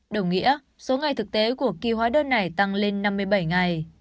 đồng nghĩa số ngày thực tế của kỳ hóa đơn này tăng lên năm mươi bảy ngày